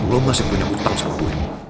lo masih punya utang sama gue